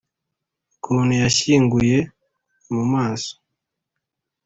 ukuntu yashyinguye mu maso